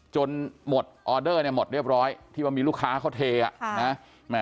หมดออเดอร์เนี่ยหมดเรียบร้อยที่ว่ามีลูกค้าเขาเทอ่ะนะ